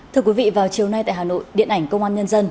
thưa quý vị vào chiều nay tại hà nội điện ảnh công an nhân dân